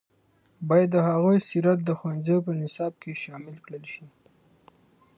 باید د هغوی سیرت د ښوونځیو په نصاب کې شامل کړل شي.